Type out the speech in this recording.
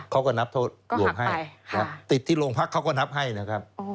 เขาก็นับโทษรวมให้ติดที่โรงพักเขาก็นับให้นะครับ